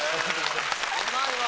うまいわ！